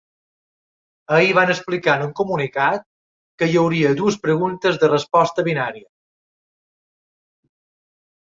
Ahir van explicar en un comunicat que hi hauria dues preguntes de resposta binària.